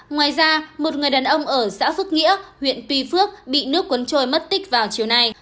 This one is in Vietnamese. ngoài ra một người đàn ông ở xã phước nghĩa huyện tuy phước bị nước cuốn trôi mất tích vào chiều nay